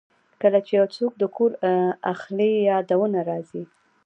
کله چې یو څوک کور اخلي، یادونه راځي.